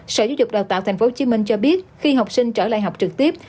sở giáo dục đào tạo tp hcm cho biết khi học sinh trở lại học trực tiếp